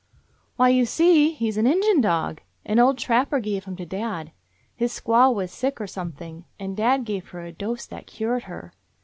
"Why, you see, he 's an Injun dog. An old trapper gave him to dad. His squaw was sick, or something, and dad gave her a dose that cured her.